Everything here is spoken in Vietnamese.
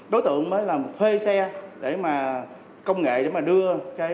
đối tượng mới là thuê xe để mà công nghệ để mà đưa